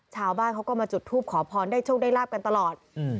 ชาวบ้านเขาก็มาจุดทูปขอพรได้โชคได้ลาบกันตลอด